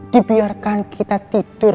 dibiarkan kita tidur